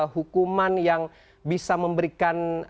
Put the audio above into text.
hukuman yang bisa memberikan